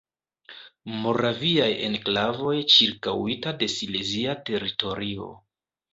Moraviaj enklavoj ĉirkaŭita de silezia teritorio.